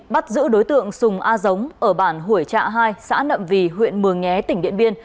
bắt giữ đối tượng sùng a giống ở bản hủy trạ hai xã nậm vy huyện mường nhé tỉnh điện biên